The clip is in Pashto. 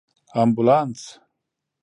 🚑 امبولانس